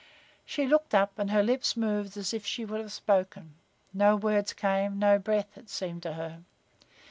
She looked up and her lips moved as if she would have spoken. No words came, no breath, it seemed to her.